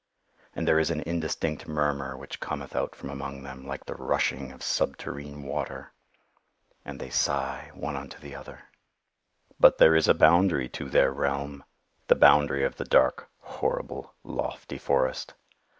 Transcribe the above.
And there is an indistinct murmur which cometh out from among them like the rushing of subterrene water. And they sigh one unto the other. "But there is a boundary to their realm—the boundary of the dark, horrible, lofty forest.